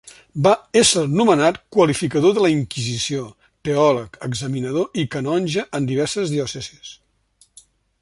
Va ésser nomenat qualificador de la Inquisició, teòleg, examinador i canonge en diverses diòcesis.